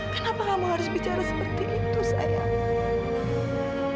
kenapa kamu harus bicara seperti itu sayang